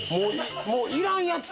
もういらんやつ？